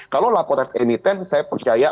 kalau laporan emiten saya percaya